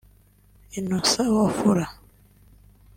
Innocent Wafula